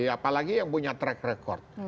apalagi yang punya track record